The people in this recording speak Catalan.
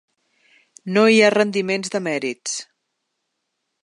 No hi ha rendiments de mèrits.